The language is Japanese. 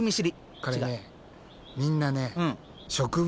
これねみんなね植物